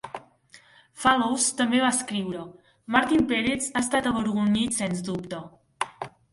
Fallows també va escriure: Martin Peretz ha estat avergonyit sens dubte.